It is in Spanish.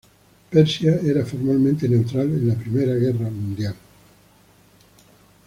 Persia era formalmente neutral en la Primera Guerra Mundial.